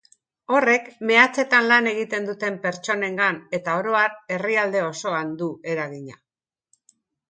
Horrek eragina du mehatzetan lan egiten duten pertsonengan eta orohar herrialde osoan.